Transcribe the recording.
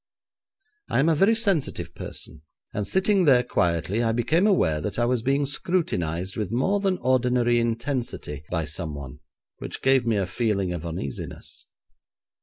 I am a very sensitive person, and sitting there quietly I became aware that I was being scrutinised with more than ordinary intensity by someone, which gave me a feeling of uneasiness.